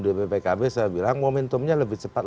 dpp pkb saya bilang momentumnya lebih cepat